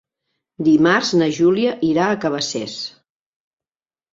Dimarts na Júlia irà a Cabacés.